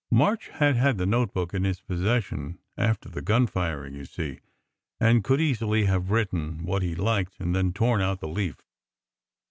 March had had the notebook in his possession after the gunfiring, you see, and could easily have written what he liked and then torn out the leaf.